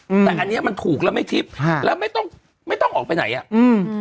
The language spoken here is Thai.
อืมแต่อันเนี้ยมันถูกแล้วไม่ทิพย์ฮะแล้วไม่ต้องไม่ต้องออกไปไหนอ่ะอืม